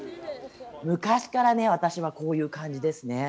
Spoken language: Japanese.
昔から私はこういう感じですね。